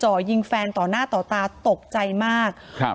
จ่อยิงแฟนต่อหน้าต่อตาตกใจมากครับ